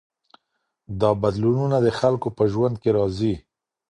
دا بدلونونه د خلګو په ژوند کي راځي.